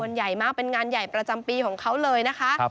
ใหญ่มากเป็นงานใหญ่ประจำปีของเขาเลยนะคะ